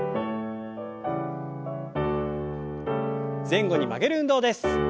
前後に曲げる運動です。